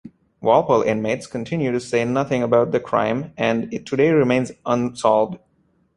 Walpole inmates continue to say nothing about the crime and it today remains unsolved.